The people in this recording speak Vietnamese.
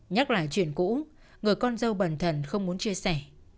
nhắc lại chuyện cũ người con dâu bản thần không muốn chia sẻ